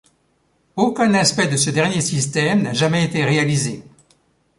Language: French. Aucun aspect de ce dernier système n'a jamais été réalisé.